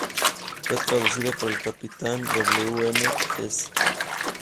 Fue traducido por el Capitán W. M. Jesse.